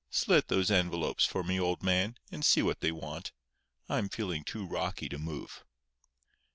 Slit those envelopes for me, old man, and see what they want. I'm feeling too rocky to move."